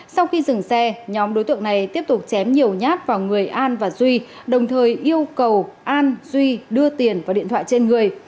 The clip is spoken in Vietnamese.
sau khi dừng xe nhóm đối tượng này tiếp tục chém nhiều nhát vào người an và duy đồng thời yêu cầu an duy đưa tiền vào điện thoại trên người